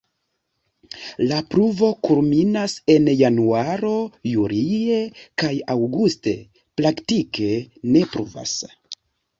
La pluvo kulminas en januaro, julie kaj aŭguste praktike ne pluvas.